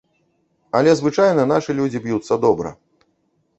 Але звычайна нашы людзі б'юцца добра.